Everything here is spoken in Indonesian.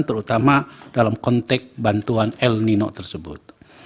terutama dalam konteks bantuan el nino tersebut